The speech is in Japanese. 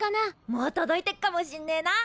もう届いてっかもしんねえな。